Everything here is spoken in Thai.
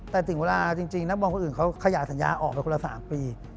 แต่ถึงเวลาจริงนักบอลคนอื่นเขาขยายสัญญาออกไปคนละ๓ปี